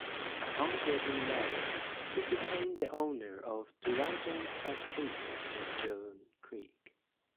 Upon getting married, he became the owner of the Duranzo Plantation in Jones Creek.